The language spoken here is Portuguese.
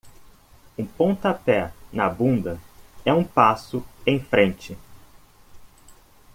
Um pontapé na bunda é um passo em frente.